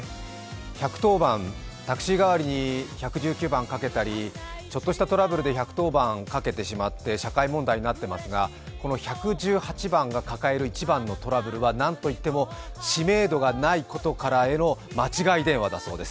１１０番、タクシー代わりに１１９番かけたりちょっとしたトラブルで１１０番かけてしまって、社会問題になっていますが、この１１８番が抱える一番のトラブルは何と言っても知名度からないことからの間違い電話だそうです。